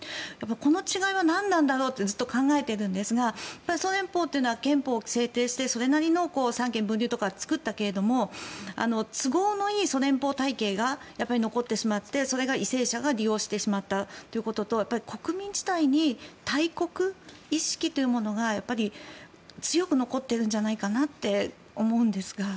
この違いは何なんだろうってずっと考えているんですがソ連邦というのは憲法を制定してそれなりの三権分立とか作ったけれども都合のいいソ連邦体系が残ってしまってそれが為政者が利用してしまったということと国民自体に大国意識というものが強く残ってるんじゃないかなって思うんですが。